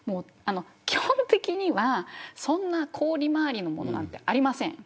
基本的には、そんな高利回りのものはありません。